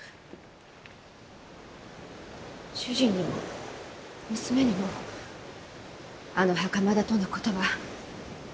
主人にも娘にもあの袴田とのことは。